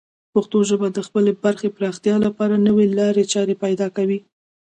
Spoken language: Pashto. پښتو ژبه د خپلې برخې پراختیا لپاره نوې لارې چارې پیدا کوي.